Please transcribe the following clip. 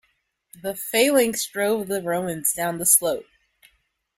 The phalanx drove the Romans down the slope.